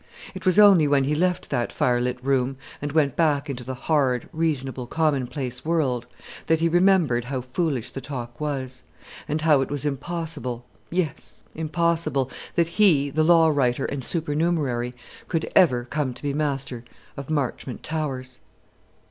It was only when he left that fire lit room, and went back into the hard, reasonable, commonplace world, that he remembered how foolish the talk was, and how it was impossible yes, impossible that he, the law writer and supernumerary, could ever come to be master of Marchmont Towers.